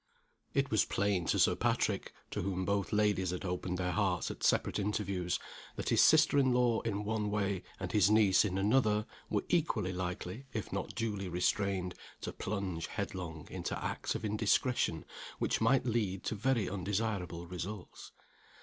It was plain to Sir Patrick (to whom both ladies had opened their hearts, at separate interviews) that his sister in law, in one way, and his niece in another, were equally likely if not duly restrained to plunge headlong into acts of indiscretion which might lead to very undesirable results.